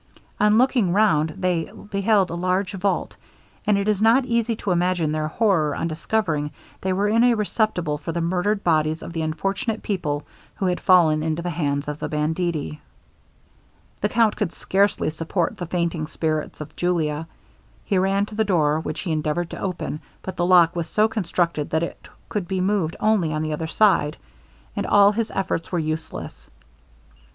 On looking round they beheld a large vault; and it is not easy to imagine their horror on discovering they were in a receptacle for the murdered bodies of the unfortunate people who had fallen into the hands of the banditti. The count could scarcely support the fainting spirits of Julia; he ran to the door, which he endeavoured to open, but the lock was so constructed that it could be moved only on the other side, and all his efforts were useless.